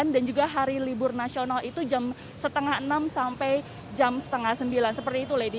dan juga hari libur nasional itu jam setengah enam sampai jam setengah sembilan seperti itu lady